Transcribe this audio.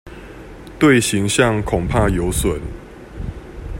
對形象恐怕有損